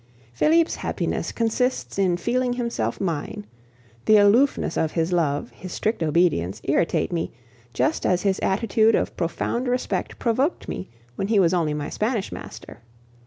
Felipe's happiness consists in feeling himself mine; the aloofness of his love, his strict obedience, irritate me, just as his attitude of profound respect provoked me when he was only my Spanish master.